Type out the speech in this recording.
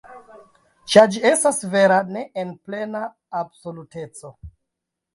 Ĉar ĝi estas vera ne en plena absoluteco.